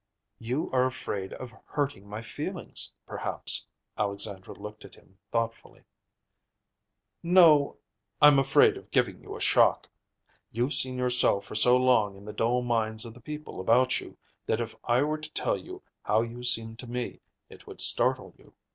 "You are afraid of hurting my feelings, perhaps." Alexandra looked at him thoughtfully. "No, I'm afraid of giving you a shock. You've seen yourself for so long in the dull minds of the people about you, that if I were to tell you how you seem to me, it would startle you.